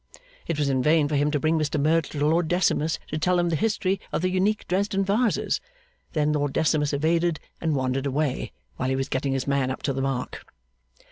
It was in vain for him to bring Mr Merdle to Lord Decimus to tell him the history of the unique Dresden vases. Then Lord Decimus evaded and wandered away, while he was getting his man up to the mark.